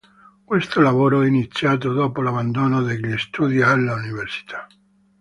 Questo lavoro è iniziato dopo l'abbandono degli studi all'università.